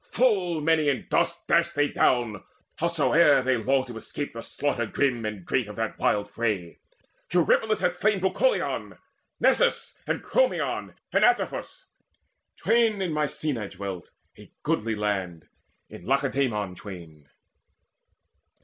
Full many in dust They dashed down, howsoe'er they longed to escape. The slaughter grim and great of that wild fray. Eurypylus hath slain Bucolion, Nesus, and Chromion and Antiphus; Twain in Mycenae dwelt, a goodly land; In Lacedaemon twain.